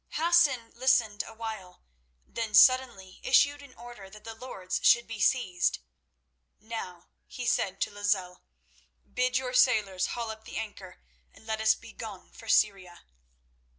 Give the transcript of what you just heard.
Hassan listened a while, then suddenly issued an order that the lords should be seized. "Now," he said to Lozelle, "bid your sailors haul up the anchor, and let us begone for Syria."